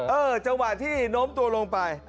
จังหวะที่โน้มตัวลงไป